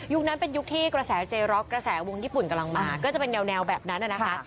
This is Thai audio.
นั้นเป็นยุคที่กระแสเจร็อกกระแสวงญี่ปุ่นกำลังมาก็จะเป็นแนวแบบนั้นนะคะ